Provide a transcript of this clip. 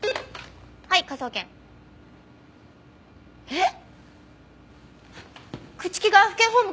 えっ！？